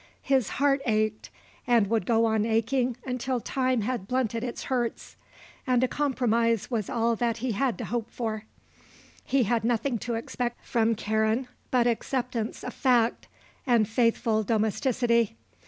His heart ached and would go on aching until time had blunted its hurts, and a compromise was all he had to hope for. He had nothing to expect from Karen but acceptance of fact and faithful domesticity.